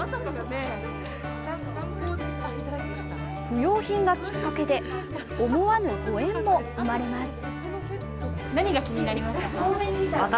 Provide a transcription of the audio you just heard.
不用品がきっかけで思わぬご縁も生まれます。